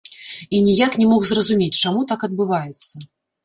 І ніяк не мог зразумець, чаму так адбываецца.